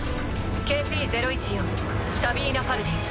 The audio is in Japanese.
ＫＰ０１４サビーナ・ファルディン。